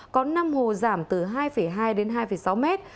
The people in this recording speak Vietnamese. có năm hồ giảm từ hai hai đến hai sáu mét